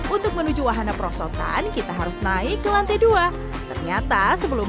untuk menuju wahana perosotan kita harus naik ke lantai dua ternyata sebelum